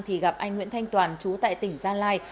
thì gặp anh nguyễn thanh toàn chú tại tỉnh gia lai